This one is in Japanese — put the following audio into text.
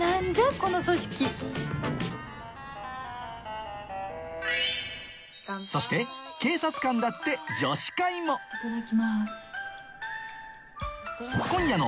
この組織そして警察官だって女子会もいただきます。